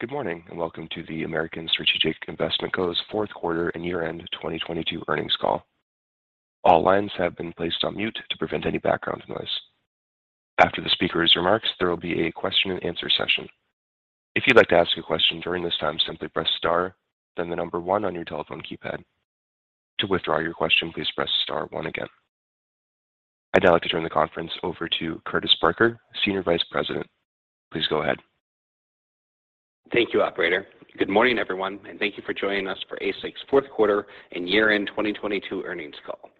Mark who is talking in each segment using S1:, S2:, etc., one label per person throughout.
S1: Good morning. Welcome to the American Strategic Investment Co.'s Fourth Quarter and Year-End 2022 Earnings Call. All lines have been placed on mute to prevent any background noise. After the speaker's remarks, there will be a question and answer session. If you'd like to ask a question during this time, simply press star, then the number one on your telephone keypad. To withdraw your question, please press star one again. I'd now like to turn the conference over to Curtis Parker, Senior Vice President. Please go ahead.
S2: Thank you, operator. Good morning, everyone, and thank you for joining us for ASIC's fourth quarter and year-end 2022 earnings call.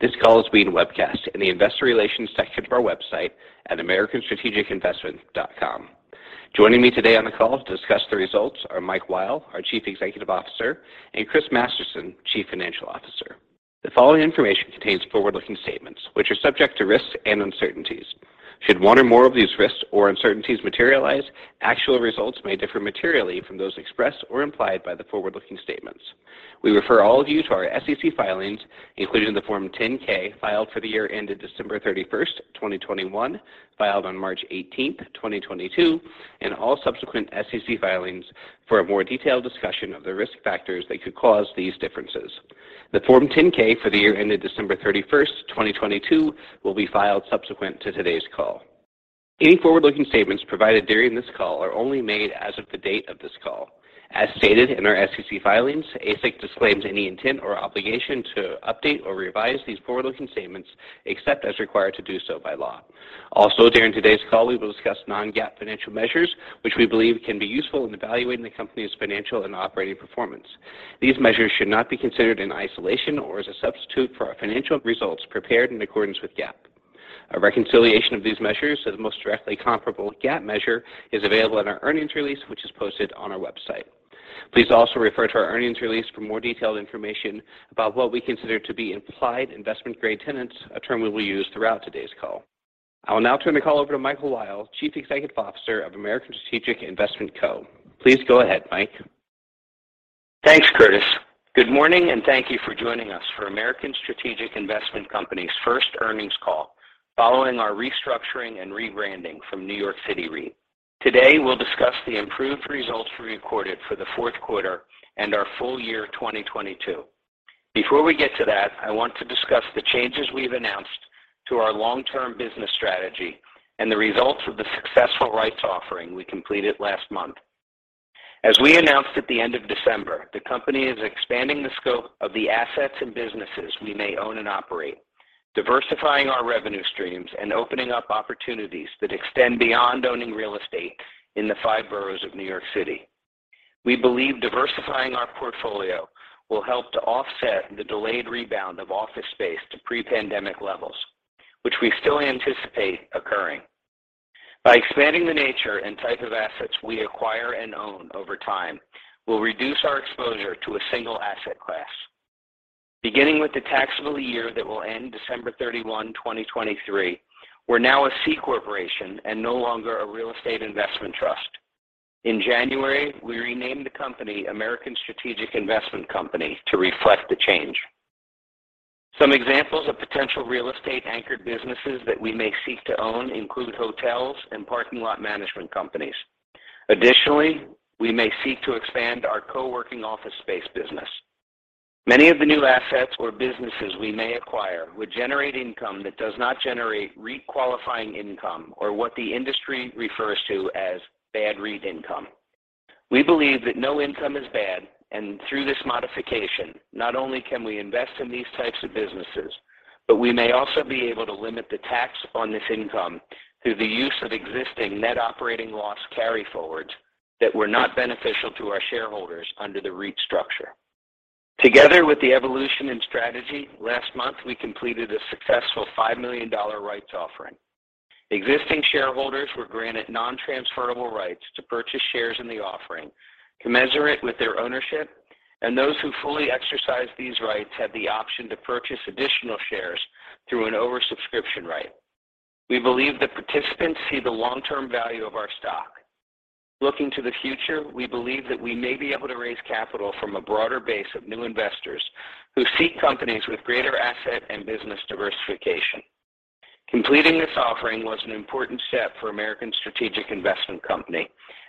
S2: This call is being webcast in the investor relations section of our website at americanstrategicinvestment.com. Joining me today on the call to discuss the results are Mike Weil, our Chief Executive Officer, and Chris Masterson, Chief Financial Officer. The following information contains forward-looking statements, which are subject to risks and uncertainties. Should one or more of these risks or uncertainties materialize, actual results may differ materially from those expressed or implied by the forward-looking statements. We refer all of you to our SEC filings, including the Form 10-K filed for the year ended December 31st, 2021, filed on March 18th, 2022, and all subsequent SEC filings for a more detailed discussion of the risk factors that could cause these differences. The Form 10-K for the year ended December 31, 2022, will be filed subsequent to today's call. Any forward-looking statements provided during this call are only made as of the date of this call. As stated in our SEC filings, ASIC disclaims any intent or obligation to update or revise these forward-looking statements except as required to do so by law. Also, during today's call, we will discuss non-GAAP financial measures, which we believe can be useful in evaluating the company's financial and operating performance. These measures should not be considered in isolation or as a substitute for our financial results prepared in accordance with GAAP. A reconciliation of these measures to the most directly comparable GAAP measure is available in our earnings release, which is posted on our website. Please also refer to our earnings release for more detailed information about what we consider to be implied investment-grade tenants, a term we will use throughout today's call. I will now turn the call over to Michael Weil, Chief Executive Officer of American Strategic Investment Co., please go ahead, Mike.
S3: Thanks, Curtis. Good morning, and thank you for joining us for American Strategic Investment Co.'s first earnings call following our restructuring and rebranding from New York City REIT. Today, we'll discuss the improved results we recorded for the fourth quarter and our full year 2022. Before we get to that, I want to discuss the changes we've announced to our long-term business strategy and the results of the successful rights offering we completed last month. As we announced at the end of December, the company is expanding the scope of the assets and businesses we may own and operate, diversifying our revenue streams and opening up opportunities that extend beyond owning real estate in the five boroughs of New York City. We believe diversifying our portfolio will help to offset the delayed rebound of office space to pre-pandemic levels, which we still anticipate occurring. By expanding the nature and type of assets we acquire and own over time, we'll reduce our exposure to a single asset class. Beginning with the taxable year that will end December 31, 2023, we're now a C corporation and no longer a real estate investment trust. In January, we renamed the company American Strategic Investment Co. to reflect the change. Some examples of potential real estate anchored businesses that we may seek to own include hotels and parking lot management companies. Additionally, we may seek to expand our co-working office space business. Many of the new assets or businesses we may acquire would generate income that does not generate re-qualifying income or what the industry refers to as bad REIT income. We believe that no income is bad. Through this modification, not only can we invest in these types of businesses, but we may also be able to limit the tax on this income through the use of existing net operating loss carryforwards that were not beneficial to our shareholders under the REIT structure. Together with the evolution in strategy, last month we completed a successful $5 million rights offering. Existing shareholders were granted non-transferable rights to purchase shares in the offering commensurate with their ownership, and those who fully exercised these rights had the option to purchase additional shares through an oversubscription right. We believe that participants see the long-term value of our stock. Looking to the future, we believe that we may be able to raise capital from a broader base of new investors who seek companies with greater asset and business diversification. Completing this offering was an important step for American Strategic Investment Co.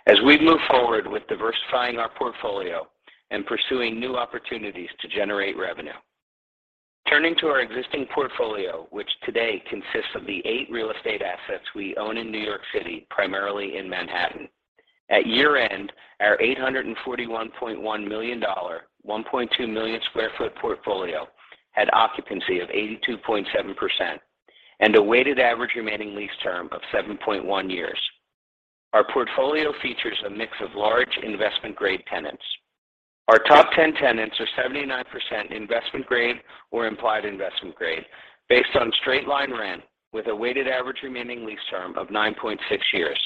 S3: as we move forward with diversifying our portfolio and pursuing new opportunities to generate revenue. Turning to our existing portfolio, which today consists of the eight real estate assets we own in New York City, primarily in Manhattan. At year-end, our $841.1 million, 1.2 million sq ft portfolio had occupancy of 82.7% and a weighted average remaining lease term of 7.1 years. Our portfolio features a mix of large investment-grade tenants. Our top 10 tenants are 79% investment-grade or implied investment-grade based on straight-line rent with a weighted average remaining lease term of 9.6 years.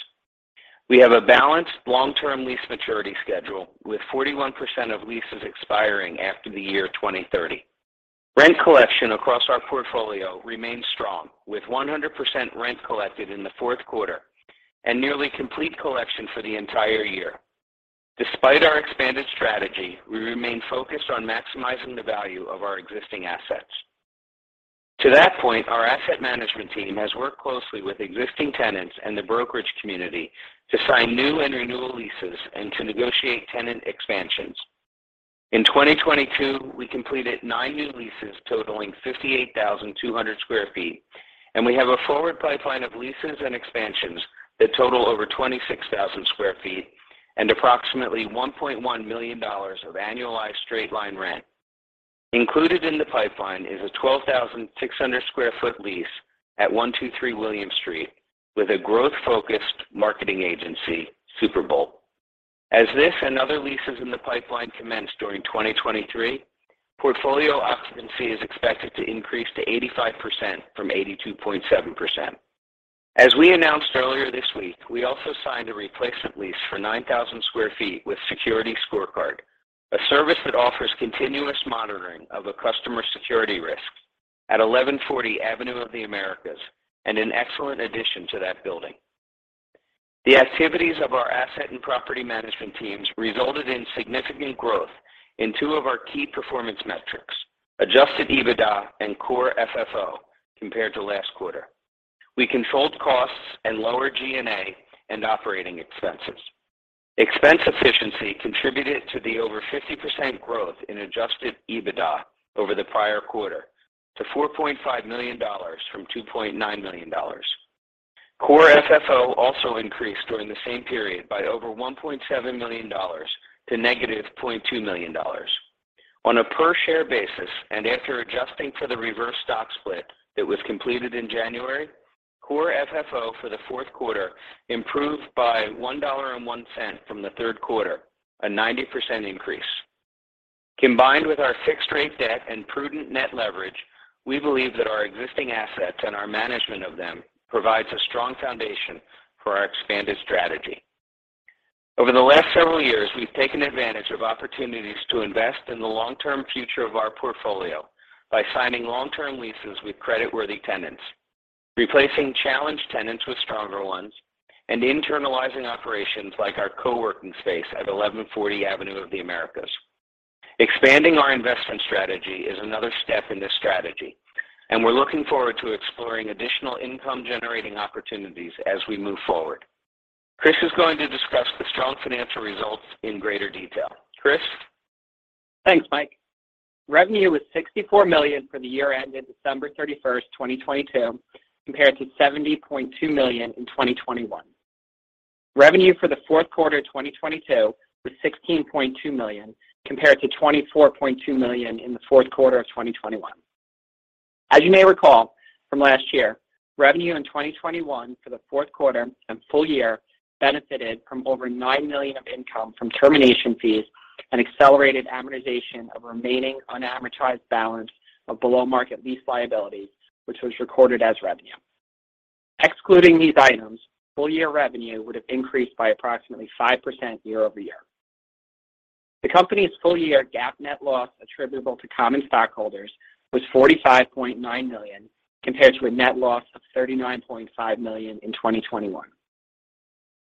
S3: We have a balanced long-term lease maturity schedule with 41% of leases expiring after the year 2030. Rent collection across our portfolio remains strong, with 100% rent collected in the fourth quarter and nearly complete collection for the entire year. Despite our expanded strategy, we remain focused on maximizing the value of our existing assets. To that point, our asset management team has worked closely with existing tenants and the brokerage community to sign new and renewal leases and to negotiate tenant expansions. In 2022, we completed nine new leases totaling 58,200 sq ft. We have a forward pipeline of leases and expansions that total over 26,000 sq ft, and approximately $1.1 million of annualized straight-line rent. Included in the pipeline is a 12,600 sq ft lease at 123 William Street with a growth-focused marketing agency, Superbolt. As this and other leases in the pipeline commence during 2023, portfolio occupancy is expected to increase to 85% from 82.7%. As we announced earlier this week, we also signed a replacement lease for 9,000 sq ft with SecurityScorecard, a service that offers continuous monitoring of a customer security risk at 1140 Avenue of the Americas, and an excellent addition to that building. The activities of our asset and property management teams resulted in significant growth in two of our key performance metrics, Adjusted EBITDA and Core FFO, compared to last quarter. We controlled costs and lowered G&A and operating expenses. Expense efficiency contributed to the over 50% growth in Adjusted EBITDA over the prior quarter to $4.5 million from $2.9 million. Core FFO also increased during the same period by over $1.7 million to -$0.2 million. On a per share basis and after adjusting for the reverse stock split that was completed in January, Core FFO for the fourth quarter improved by $1.01 from the third quarter, a 90% increase. Combined with our fixed rate debt and prudent net leverage, we believe that our existing assets and our management of them provides a strong foundation for our expanded strategy. Over the last several years, we've taken advantage of opportunities to invest in the long-term future of our portfolio by signing long-term leases with creditworthy tenants, replacing challenged tenants with stronger ones, and internalizing operations like our co-working space at 1140 Avenue of the Americas. Expanding our investment strategy is another step in this strategy, and we're looking forward to exploring additional income generating opportunities as we move forward. Chris is going to discuss the strong financial results in greater detail. Chris?
S4: Thanks, Mike. Revenue was $64 million for the year ended December 31, 2022, compared to $70.2 million in 2021. Revenue for the fourth quarter 2022 was $16.2 million, compared to $24.2 million in the fourth quarter of 2021. As you may recall from last year, revenue in 2021 for the fourth quarter and full year benefited from over $9 million of income from termination fees and accelerated amortization of remaining unamortized balance of below-market lease liability, which was recorded as revenue. Excluding these items, full year revenue would have increased by approximately 5% year over year. The company's full year GAAP net loss attributable to common stockholders was $45.9 million, compared to a net loss of $39.5 million in 2021.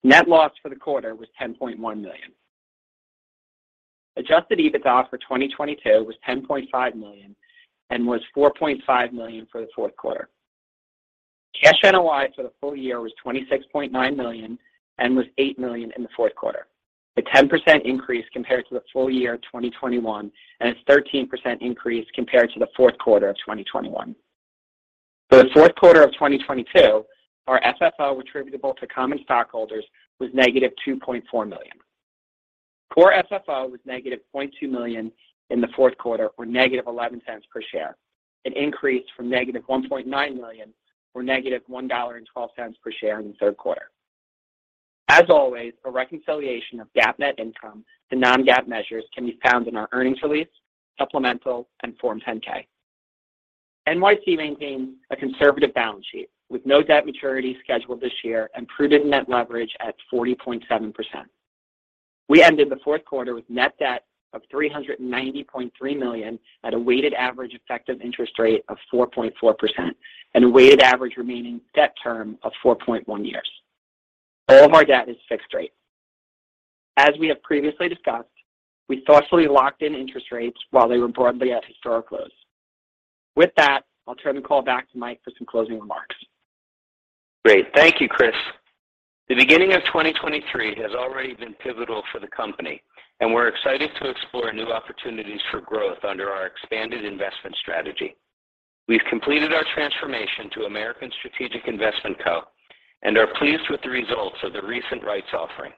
S4: Net loss for the quarter was $10.1 million. Adjusted EBITDA for 2022 was $10.5 million and was $4.5 million for the fourth quarter. Cash NOI for the full year was $26.9 million and was $8 million in the fourth quarter, a 10% increase compared to the full year 2021, and a 13% increase compared to the fourth quarter of 2021. For the fourth quarter of 2022, our FFO attributable to common stockholders was -$2.4 million. Core FFO was -$0.2 million in the fourth quarter, or negative $0.11 per share, an increase from negative $1.9 million, or negative $1.12 per share in the third quarter. As always, a reconciliation of GAAP net income to non-GAAP measures can be found in our earnings release, supplemental, and Form 10-K. NYC maintains a conservative balance sheet with no debt maturity scheduled this year and prudent net leverage at 40.7%. We ended the fourth quarter with net debt of $390.3 million at a weighted average effective interest rate of 4.4% and a weighted average remaining debt term of 4.1 years. All of our debt is fixed rate. As we have previously discussed, we thoughtfully locked in interest rates while they were broadly at historic lows. With that, I'll turn the call back to Mike for some closing remarks.
S3: Great. Thank you, Chris Masterson. The beginning of 2023 has already been pivotal for the company, we're excited to explore new opportunities for growth under our expanded investment strategy. We've completed our transformation to American Strategic Investment Co. are pleased with the results of the recent rights offering.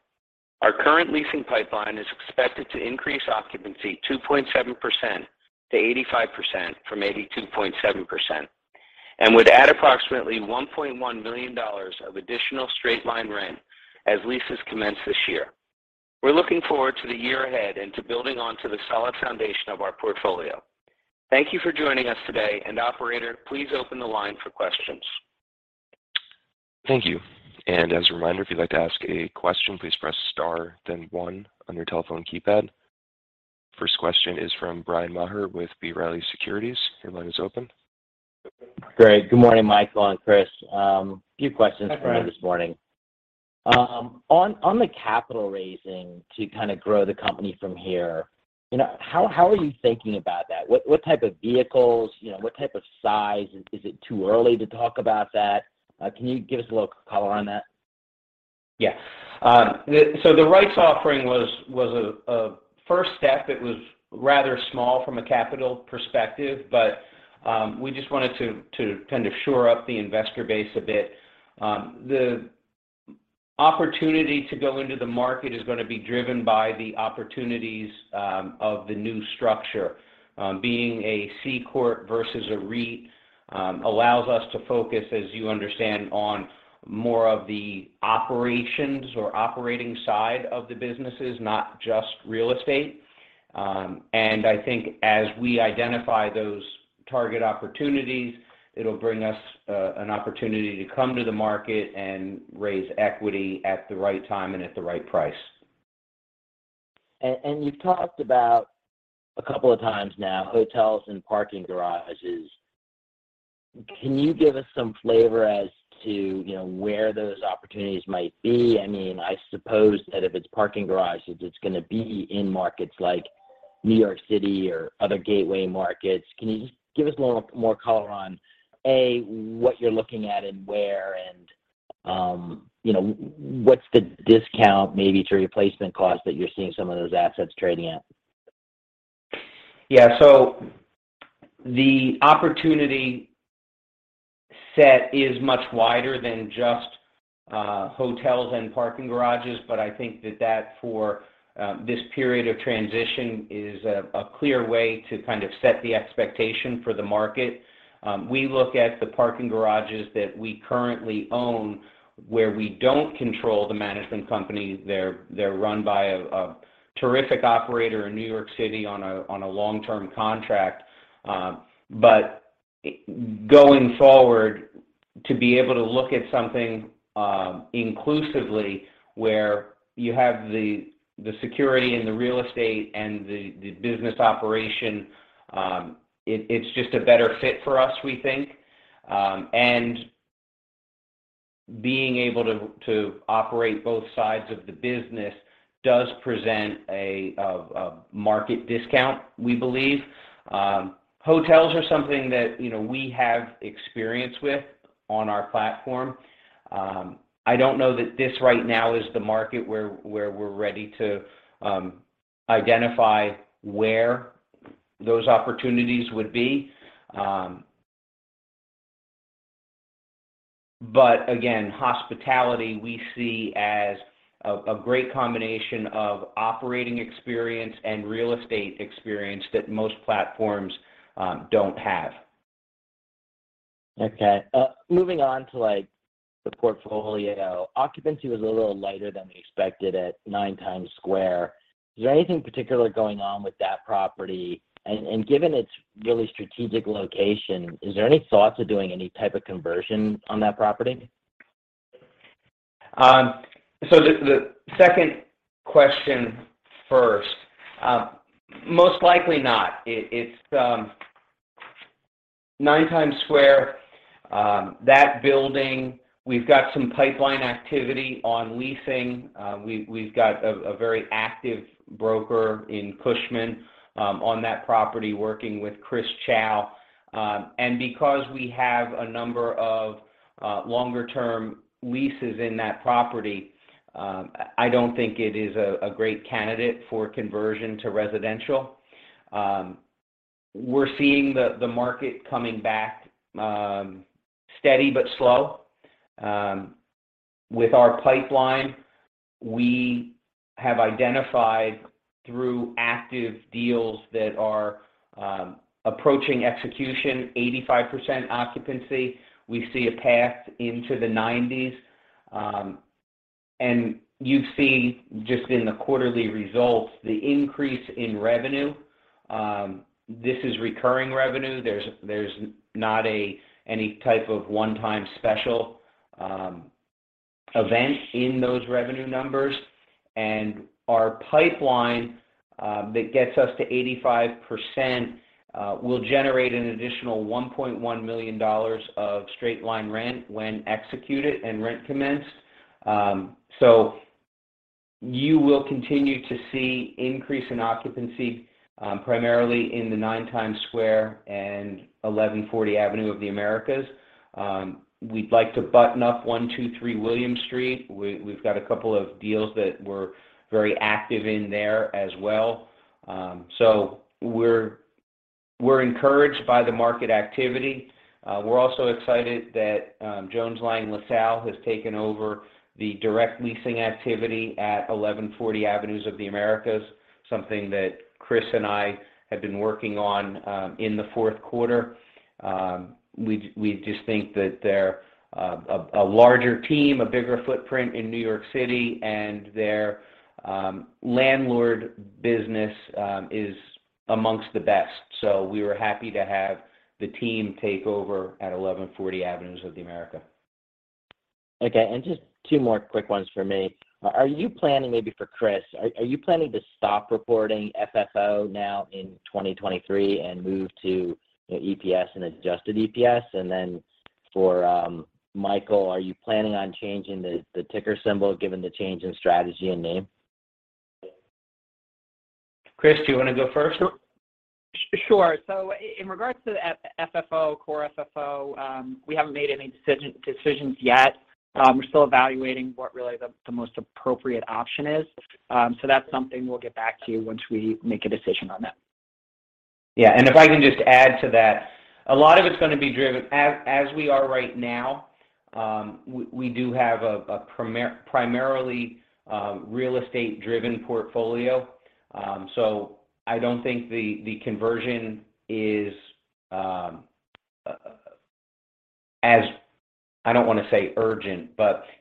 S3: Our current leasing pipeline is expected to increase occupancy 2.7% to 85% from 82.7% and would add approximately $1.1 million of additional straight-line rent as leases commence this year. We're looking forward to the year ahead and to building onto the solid foundation of our portfolio. Thank you for joining us today, and operator, please open the line for questions.
S1: Thank you. As a reminder, if you'd like to ask a question, please press star then one on your telephone keypad. First question is from Bryan Maher with B. Riley Securities. Your line is open.
S5: Great. Good morning, Michael and Chris. A few questions for you this morning. On the capital raising to kind of grow the company from here, you know, how are you thinking about that? What type of vehicles, you know, what type of size? Is it too early to talk about that? Can you give us a little color on that?
S3: The rights offering was a first step that was rather small from a capital perspective, but we just wanted to kind of shore up the investor base a bit. The opportunity to go into the market is gonna be driven by the opportunities of the new structure. Being a C Corp versus a REIT allows us to focus, as you understand, on more of the operations or operating side of the businesses, not just real estate. I think as we identify those target opportunities, it'll bring us an opportunity to come to the market and raise equity at the right time and at the right price.
S5: You've talked about, a couple of times now, hotels and parking garages. Can you give us some flavor as to, you know, where those opportunities might be? I mean, I suppose that if it's parking garages, it's gonna be in markets like New York City or other gateway markets. Can you just give us a little more color on, A, what you're looking at and where and, you know, what's the discount maybe to replacement costs that you're seeing some of those assets trading at?
S3: Yeah. The opportunity set is much wider than just hotels and parking garages, but I think that for this period of transition is a clear way to kind of set the expectation for the market. We look at the parking garages that we currently own where we don't control the management company. They're run by a terrific operator in New York City on a long-term contract. Going forward, to be able to look at something inclusively where you have the security and the real estate and the business operation, it's just a better fit for us, we think. Being able to operate both sides of the business does present a market discount, we believe. Hotels are something that, you know, we have experience with on our platform. I don't know that this right now is the market where we're ready to identify where those opportunities would be. Again, hospitality, we see as a great combination of operating experience and real estate experience that most platforms don't have.
S5: Okay. Moving on to, like, the portfolio. Occupancy was a little lighter than we expected at 9 Times Square. Is there anything particular going on with that property? Given its really strategic location, is there any thoughts of doing any type of conversion on that property?
S3: The second question first. Most likely not. It's 9 Times Square, that building, we've got some pipeline activity on leasing. We've got a very active broker in Cushman on that property working with Chris Chow. Because we have a number of longer term leases in that property, I don't think it is a great candidate for conversion to residential. We're seeing the market coming back, steady but slow. With our pipeline, we have identified through active deals that are approaching execution 85% occupancy. We see a path into the 90s. You've seen just in the quarterly results, the increase in revenue. This is recurring revenue. There's not any type of one-time special event in those revenue numbers. Our pipeline that gets us to 85% will generate an additional $1.1 million of straight-line rent when executed and rent commenced. You will continue to see increase in occupancy primarily in the 9 Times Square and 1140 Avenue of the Americas. We'd like to button up 123 William Street. We've got a couple of deals that we're very active in there as well. We're encouraged by the market activity. We're also excited that Jones Lang LaSalle has taken over the direct leasing activity at 1140 Avenue of the Americas, something that Chris and I have been working on in the fourth quarter. We just think that they're a larger team, a bigger footprint in New York City, and their landlord business is amongst the best. We were happy to have the team take over at 1140 Avenue of the America.
S5: Okay. Just two more quick ones from me. Maybe for Chris. Are you planning to stop reporting FFO now in 2023 and move to EPS and adjusted EPS? For Michael, are you planning on changing the ticker symbol given the change in strategy and name?
S3: Chris, do you want to go first?
S4: Sure. In regards to FFO, Core FFO, we haven't made any decisions yet. We're still evaluating what really the most appropriate option is. That's something we'll get back to you once we make a decision on that.
S3: If I can just add to that. A lot of it's gonna be driven. As we are right now, we do have a primarily real estate driven portfolio. I don't think the conversion is as I don't want to say urgent,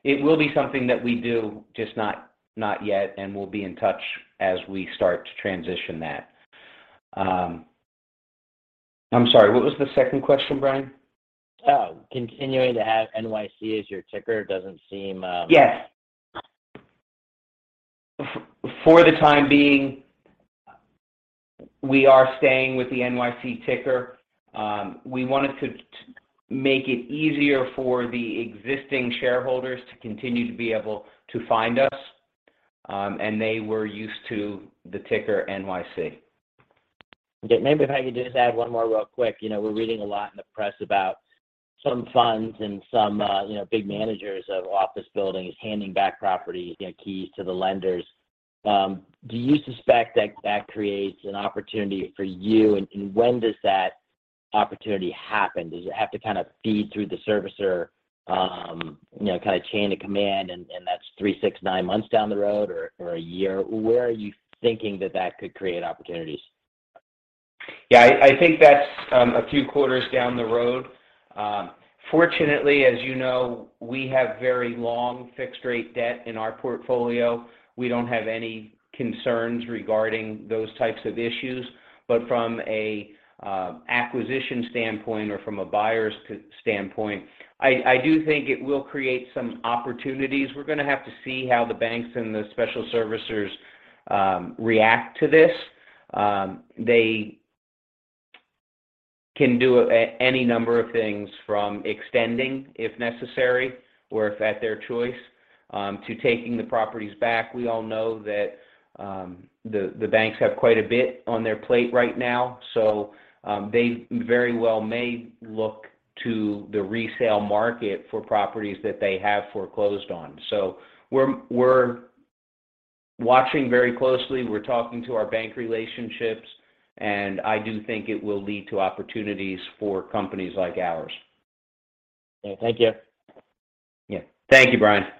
S3: it will be something that we do, just not yet, and we'll be in touch as we start to transition that. I'm sorry, what was the second question, Bryan?
S5: Oh, continuing to have NYC as your ticker doesn't seem.
S3: Yes. For the time being, we are staying with the NYC ticker. We wanted to make it easier for the existing shareholders to continue to be able to find us, and they were used to the ticker NYC.
S5: Okay. Maybe if I could just add one more real quick. You know, we're reading a lot in the press about some funds and some, you know, big managers of office buildings handing back properties, you know, keys to the lenders. Do you suspect that that creates an opportunity for you? When does that opportunity happen? Does it have to kind of feed through the servicer, you know, kind of chain of command and that's three, six, nine months down the road or a year? Where are you thinking that that could create opportunities?
S3: Yeah. I think that's a few quarters down the road. Fortunately, as you know, we have very long fixed rate debt in our portfolio. We don't have any concerns regarding those types of issues. From an acquisition standpoint or from a buyer's standpoint, I do think it will create some opportunities. We're gonna have to see how the banks and the special servicers react to this. They can do any number of things from extending, if necessary or if at their choice, to taking the properties back. We all know that the banks have quite a bit on their plate right now. They very well may look to the resale market for properties that they have foreclosed on. We're watching very closely. We're talking to our bank relationships, and I do think it will lead to opportunities for companies like ours.
S5: Thank you.
S3: Yeah. Thank you, Bryan Maher.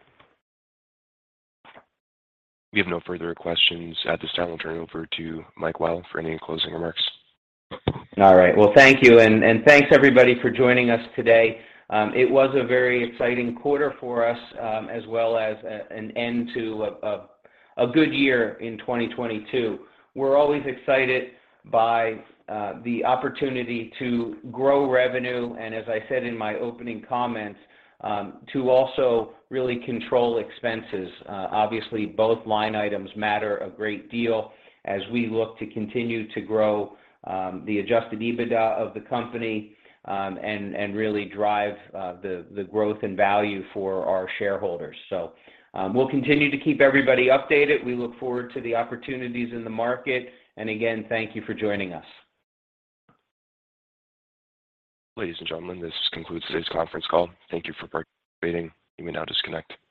S1: We have no further questions at this time. We'll turn it over to Mike Weil for any closing remarks.
S3: All right. Well, thank you. Thanks everybody for joining us today. It was a very exciting quarter for us, as well as an end to a good year in 2022. We're always excited by the opportunity to grow revenue, as I said in my opening comments, to also really control expenses. Obviously, both line items matter a great deal as we look to continue to grow the Adjusted EBITDA of the company, and really drive the growth and value for our shareholders. We'll continue to keep everybody updated. We look forward to the opportunities in the market. Again, thank you for joining us.
S1: Ladies and gentlemen, this concludes today's conference call. Thank you for participating. You may now disconnect.